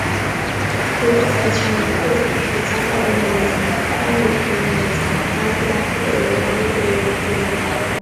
Урҭ рацәан, урҭ хыԥхьаӡара рымамызт, тәамҩахә рымамызт, аки-аки еилало-еилаҭыруа.